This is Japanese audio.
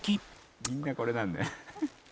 「みんなこれなんだ」